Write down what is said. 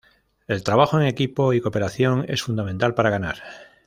El trabajo en equipo y cooperación es fundamental para ganar.